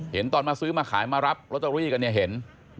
เห็นตอนมาซื้อมาขายมารับแล้วจะรีกกันนี่เห็น